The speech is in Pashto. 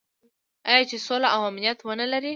آیا چې سوله او امنیت ونلري؟